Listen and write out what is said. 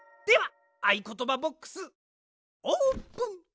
ではあいことばボックスオープン！